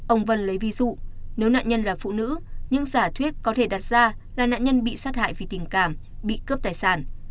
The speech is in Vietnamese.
ông vân lấy ví dụ nếu nạn nhân là phụ nữ những giả thuyết có thể đặt ra là nạn nhân bị sát hại vì tình cảm bị cướp tài sản